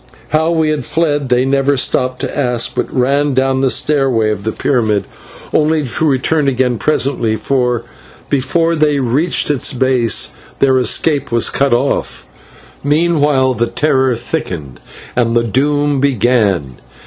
How we had fled they never stopped to ask, but ran down the stairway of the pyramid, only to return again presently, for before they reached its base their escape was cut off. Meanwhile the terror thickened and the doom began.